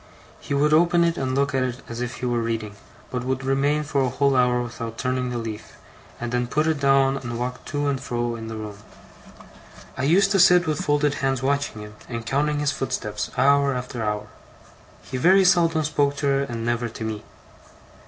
He would open it and look at it as if he were reading, but would remain for a whole hour without turning the leaf, and then put it down and walk to and fro in the room. I used to sit with folded hands watching him, and counting his footsteps, hour after hour. He very seldom spoke to her, and never to me.